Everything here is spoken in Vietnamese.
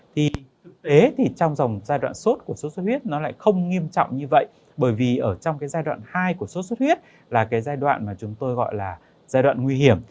thực tế trong giai đoạn sốt của sốt xuất huyết nó lại không nghiêm trọng như vậy bởi vì trong giai đoạn hai của sốt xuất huyết là giai đoạn mà chúng tôi gọi là giai đoạn nguy hiểm